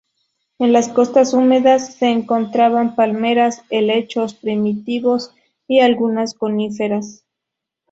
En las costas húmedas se encontraban palmeras, helechos primitivos y algunas coníferas.